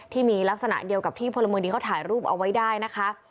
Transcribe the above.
ที่มีลักษณะเดียวกับที่พลเมืองดีเขาถ่ายรูปเอาไว้ได้นะคะ